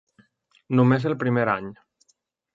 Només el primer any.